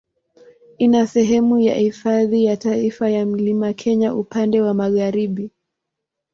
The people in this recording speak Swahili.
Ina sehemu ya Hifadhi ya Taifa ya Mlima Kenya upande wa magharibi.